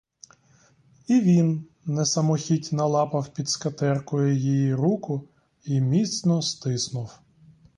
І він несамохіть налапав під скатеркою її руку й міцно стиснув.